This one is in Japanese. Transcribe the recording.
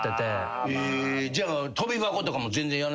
じゃあ。